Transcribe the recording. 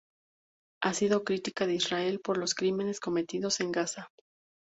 Ha sido crítica de Israel por los crímenes cometidos en Gaza.